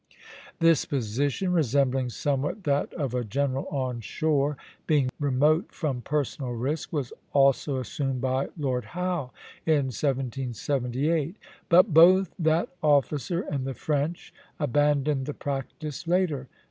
This position, resembling somewhat that of a general on shore, being remote from personal risk, was also assumed by Lord Howe in 1778; but both that officer and the French abandoned the practice later.